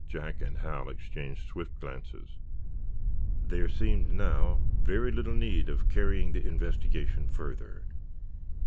Jack and Hal exchanged swift glances. There seemed, now, very little need of carrying the investigation further.